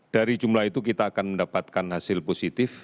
dari jumlah itu kita akan mendapatkan hasil positif